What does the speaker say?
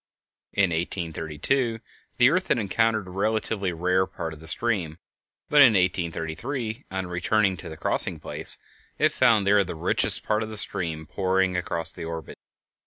In 1832 the earth had encountered a relatively rare part of the stream, but in 1833, on returning to the crossing place, it found there the richest part of the stream pouring across its orbit.